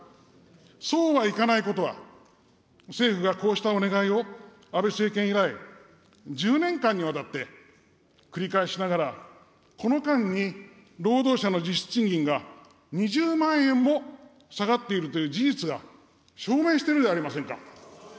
そうはいかないことは、政府がこうしたお願いを、安倍政権以来、１０年間にわたって繰り返しながら、この間に労働者の実質賃金が２０万円も下がっているという事実が証明しているではありませんか。